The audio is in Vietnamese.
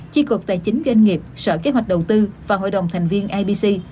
chi cục tài chính doanh nghiệp sở kế hoạch đầu tư và hội đồng thành viên ibc